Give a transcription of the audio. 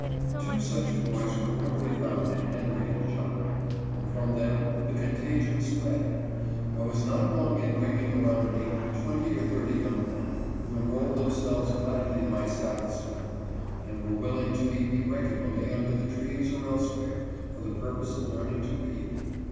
Two such boys were quickly found in Henry and John, and from them the contagion spread. I was not long in bringing around me twenty or thirty young men, who enrolled themselves gladly in my Sabbath school, and were willing to meet me regularly under the trees or elsewhere, for the purpose of learning to read.